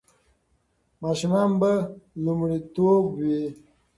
ماشومان به لومړیتوب وي.